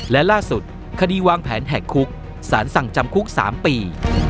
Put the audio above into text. และล่าสุดคดีวางแผนแหกคุกสารสั่งจำคุก๓ปี